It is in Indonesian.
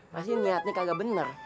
pasti niatnya kagak bener